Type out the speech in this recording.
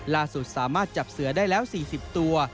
ล่าสุดสามารถจับเสือได้แล้ว๔๐ตัว